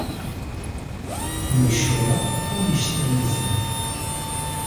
Kemmel ccɣel-a anect umi tzemreḍ.